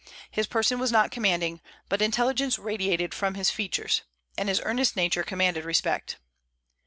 His person was not commanding, but intelligence radiated from his features, and his earnest nature commanded respect.